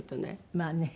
まあね。